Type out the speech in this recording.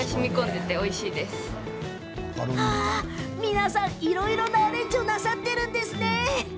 皆さん、いろいろなアレンジをなさっているんですね。